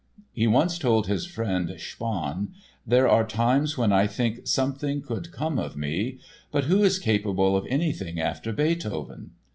He once told his friend, Spaun: "There are times when I think something could come of me; but who is capable of anything after Beethoven?"